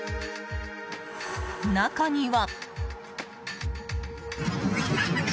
中には。